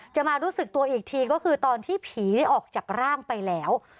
มารู้สึกตัวอีกทีก็คือตอนที่ผีออกจากร่างไปแล้ว